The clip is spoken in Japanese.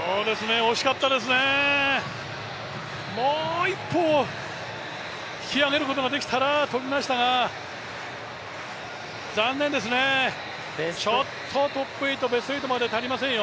惜しかったですね、もう一歩引き上げることができたら飛びましたが残念ですね、ちょっとベスト８までは足りませんよ。